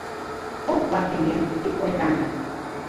Ок, варсеҥгем, ит ойгане